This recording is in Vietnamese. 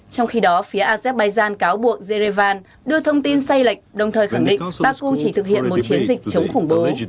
trong khi đó phía azerbaijan cáo buộc zerevan đưa thông tin sai lệch đồng thời khẳng định baku chỉ thực hiện một chiến dịch chống khủng bố